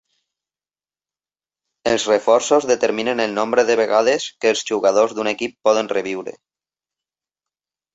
Els reforços determinen el nombre de vegades que els jugadors d'un equip poden reviure.